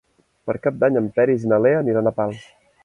Per Cap d'Any en Peris i na Lea aniran a Pals.